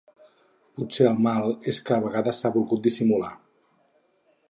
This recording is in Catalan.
Potser el mal és que a vegades s’ha volgut dissimular.